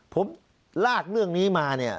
ผมลากเรื่องนี้มาเนี่ย